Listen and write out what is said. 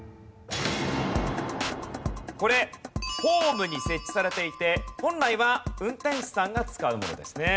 これホームに設置されていて本来は運転士さんが使うものですね。